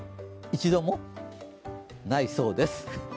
一度もないそうです。